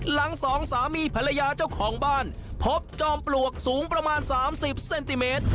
สองสามีภรรยาเจ้าของบ้านพบจอมปลวกสูงประมาณ๓๐เซนติเมตร